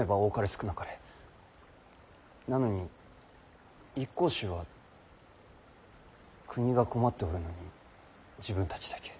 なのに一向宗は国が困っておるのに自分たちだけ。